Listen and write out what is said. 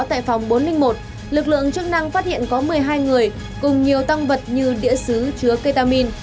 tại phòng bốn trăm linh một lực lượng chức năng phát hiện có một mươi hai người cùng nhiều tăng vật như đĩa xứ chứa ketamin